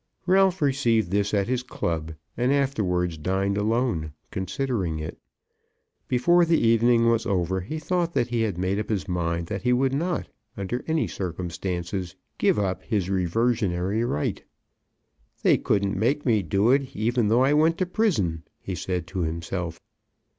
Ralph received this at his club, and afterwards dined alone, considering it. Before the evening was over he thought that he had made up his mind that he would not, under any circumstances, give up his reversionary right. "They couldn't make me do it, even though I went to prison," he said to himself.